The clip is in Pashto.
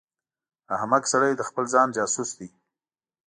احمق سړی د خپل ځان جاسوس دی.